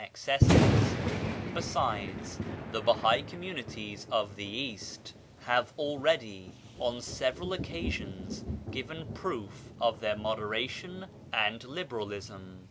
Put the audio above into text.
140 BAHAISM the Bahai communities of the East have already, on several occasions, given proof of their moderation and liberalism.